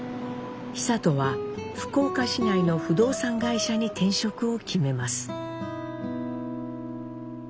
久渡は福岡市内の不動産会社に転職を決めます。